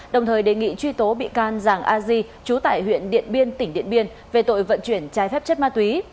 đồng thời đề nghị truy tố bị can giàng a di trú tại huyện điện biên tỉnh điện biên về tội vận chuyển trái phép chất ma túy